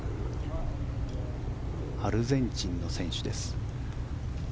アルゼンチンの選手です。